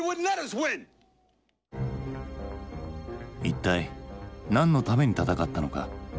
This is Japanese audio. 一体何のために戦ったのか？